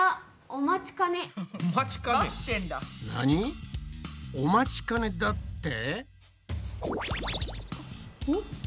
お待ちかねだって？